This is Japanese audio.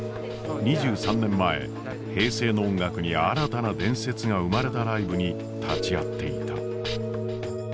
２３年前平成の音楽に新たな伝説が生まれたライブに立ち会っていた。